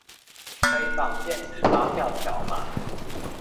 可以綁電子發票條碼